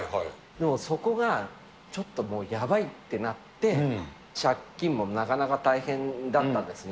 そこがちょっともうやばいってなって、借金もなかなか大変だったんですね。